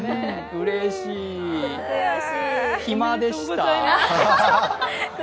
うれしい、ひまでした。